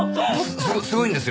すごすごいんですよ。